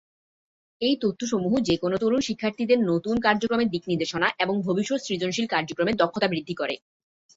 এই তথ্য সমূহ যেকোন তরুণ শিক্ষার্থীদের নতুন কার্যক্রমের দিকনির্দেশনা এবং ভবিষ্যৎ সৃজনশীল কার্যক্রমের দক্ষতা বৃদ্ধি করে।